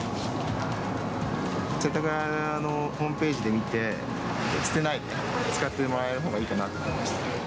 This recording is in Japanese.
世田谷のホームページで見て、捨てないで使ってもらえるほうがいいかなと思いました。